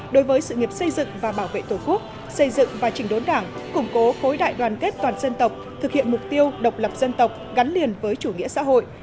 đối với sự nghiệp xây dựng và bảo vệ tổ quốc xây dựng và chỉnh đốn đảng củng cố khối đại đoàn kết toàn dân tộc thực hiện mục tiêu độc lập dân tộc gắn liền với chủ nghĩa xã hội